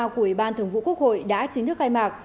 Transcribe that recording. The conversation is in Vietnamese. của ủy ban thường vụ quốc hội đã chính thức khai mạc